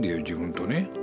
自分とね。